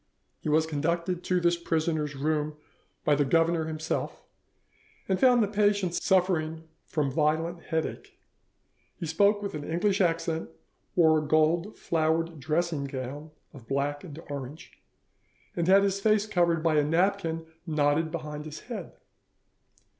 He was conducted to this prisoner's room by the governor himself, and found the patient suffering from violent headache. He spoke with an English accent, wore a gold flowered dressing gown of black and orange, and had his face covered by a napkin knotted behind his head."